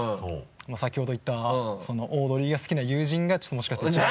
先ほど言ったそのオードリーが好きな友人がちょっともしかしたら一番。